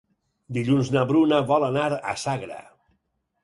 Dilluns na Bruna vol anar a Sagra.